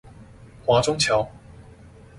華中橋